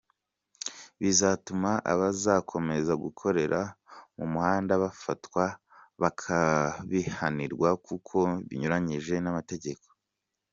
Bizatuma abazakomeza gukorera mu muhanda bafatwa bakabihanirwa kuko binyuranije n’amategeko”.